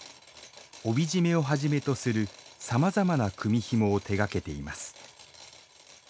帯締めをはじめとするさまざまな組みひもを手がけています